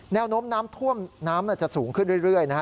แนวโน้มน้ำท่วมน้ำจะสูงขึ้นเรื่อยนะฮะ